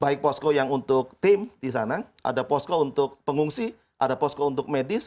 baik posko yang untuk tim di sana ada posko untuk pengungsi ada posko untuk medis